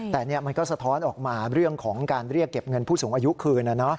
แต่มันก็สะท้อนออกมาเรื่องของการเรียกเก็บเงินผู้สูงอายุคืน